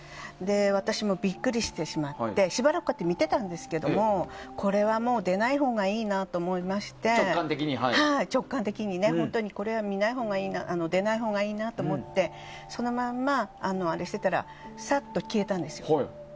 私もびっくりしてしまってしばらく見ていたんですけどもこれは、出ないほうがいいなと思いまして直感的にこれは出ないほうがいいなと思ってそのまま放置してたらさっと消えたんですよ。